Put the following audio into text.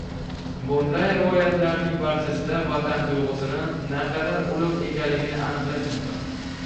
Bunday rivoyatlarning barchasida vatan tuyg‘usini naqadar ulug‘ ekanligini anglash mumkin